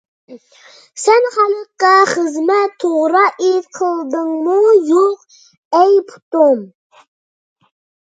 سەن خەلققە خىزمەت، توغرا ئېيت قىلدىڭمۇ يوق؟ ئەي پۇتۇم!